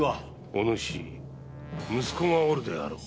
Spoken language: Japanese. おぬし息子がおるであろう。